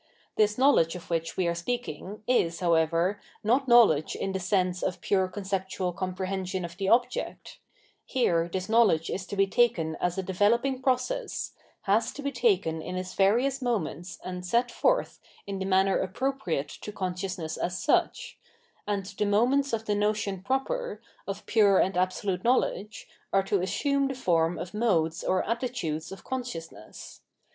This knowledge of^ which we are speaking is, however, not knowledge in the sense of pure conceptual comprehension of the object; here this knowledge is to be taken as a developing process, has to be taken in its various moments and set forth in the manner appropriate to consciousness as such ; and the moments of the notion proper, of pure and absolute knowledge, are to assume the form of modes or attitudes of consciousness.